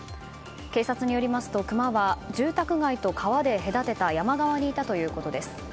警察によりますとクマは住宅街と川で隔てた山側にいたということです。